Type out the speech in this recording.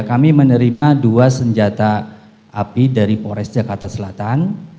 kami menerima dua senjata api dari polres jakarta selatan